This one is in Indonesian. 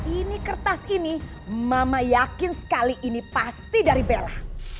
ini kertas ini mama yakin sekali ini pasti dari bella